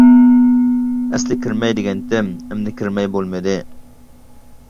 ئەسلى كىرمەي دېگەنتىم، ئەمدى كىرمەي بولمىدى.